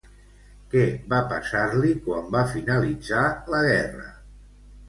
Què va passar-li quan va finalitzar la guerra?